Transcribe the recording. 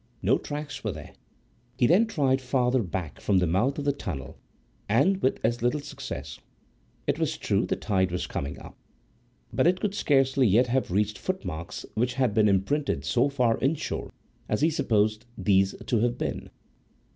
No tracks were there. He then tried further back from the mouth of the tunnel, and with as little success. It was true the tide was coming up, but it could scarcely yet have reached footmarks which had been imprinted so far inshore as he supposed these to have been.